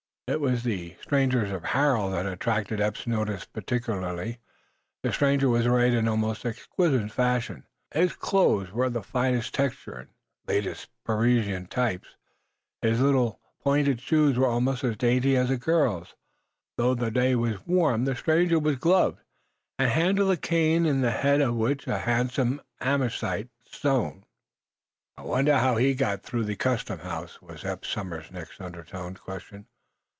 It was the stranger's apparel that had attracted Eph's notice particularly. The stranger was arrayed almost exquisite fashion; his clothes were of finest texture and latest Parisian type. His little, pointed shoes were almost as dainty as a girl's. Though the day was warm the stranger was gloved, and handled a cane in the head of which a handsome amethyst shone. "I wonder how that got through the custom house?" was Eph Somers's next undertoned question.